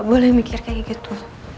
lo gak boleh mikir kayak gitu